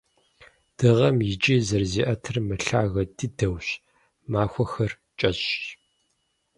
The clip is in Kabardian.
Дыгъэм иджы зэрызиӏэтыр мылъагэ дыдэущ, махуэхэр кӏэщӏщ.